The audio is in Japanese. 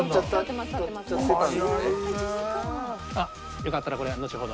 よかったらこれはのちほど。